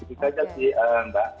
itu saja mbak